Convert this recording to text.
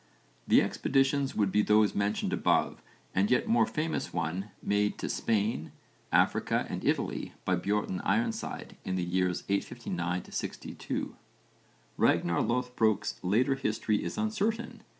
The expeditions would be those mentioned above and the yet more famous one made to Spain, Africa and Italy by Björn Ironside in the years 859 62 (v. infra, pp. 46 7). Ragnarr Loðbrók's later history is uncertain.